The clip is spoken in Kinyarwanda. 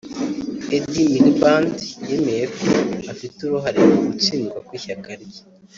Ed Miliband yemeye ko afite uruhare mu gutsindwa kw’ishyaka rye